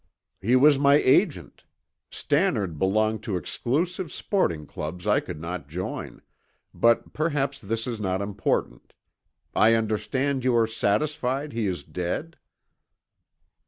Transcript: "He was my agent. Stannard belonged to exclusive sporting clubs I could not join; but perhaps this is not important. I understand you are satisfied he is dead?"